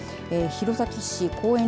弘前市公園